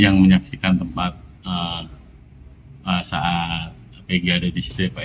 yang menyaksikan tempat saat peggy ada di situ ya pak ya